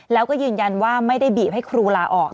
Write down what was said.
แล้วก็ยืนยันว่าไม่ได้บีบให้ครูลาออก